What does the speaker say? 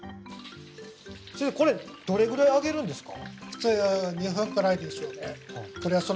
先生これどれぐらい揚げるんですか？